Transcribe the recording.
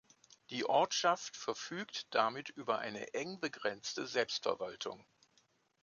Die Ortschaft verfügt damit über eine eng begrenzte Selbstverwaltung.